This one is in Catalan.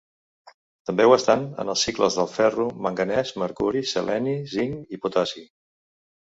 També ho estan en els cicles del ferro, manganès, mercuri, seleni, zinc i potassi.